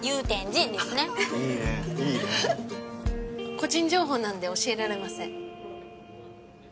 個人情報なんで教えられません。